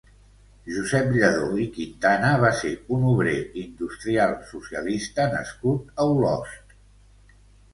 Josep Lladó i Quintana va ser un obrer industrial, socialista nascut a Olost.